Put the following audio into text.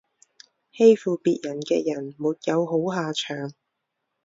欺负别人的人没有好下场